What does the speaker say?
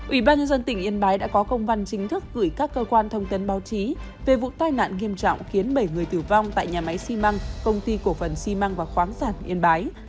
ubnd tỉnh yên bái đã có công văn chính thức gửi các cơ quan thông tin báo chí về vụ tai nạn nghiêm trọng khiến bảy người tử vong tại nhà máy xi măng công ty cổ phần xi măng và khoáng sản yên bái